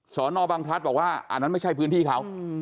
สอนอบังพลัดบอกว่าอันนั้นไม่ใช่พื้นที่เขา